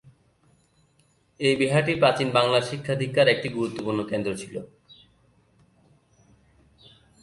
এই বিহারটি প্রাচীন বাংলার শিক্ষা-দীক্ষার একটি গুরুত্বপূর্ণ কেন্দ্র ছিল।